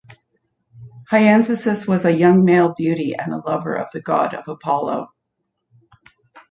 Hyacinthus was a young male beauty and lover of the god Apollo.